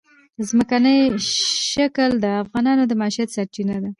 ځمکنی شکل د افغانانو د معیشت سرچینه ده.